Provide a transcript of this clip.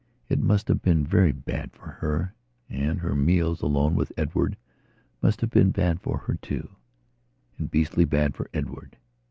It must have been very bad for herand her meals alone with Edward must have been bad for her tooand beastly bad for Edward.